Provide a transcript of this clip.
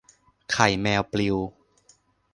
ไข่แมวปลิว